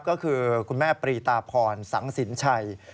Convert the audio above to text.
ก็คือคุณแม่ปรีตาพรสังสินชัย